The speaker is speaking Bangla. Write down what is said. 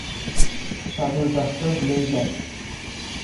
সদর দফতর লেইডায়।